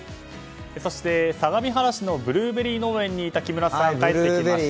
そして、相模原市のブルーベリー農園にいた木村さんが帰ってきました。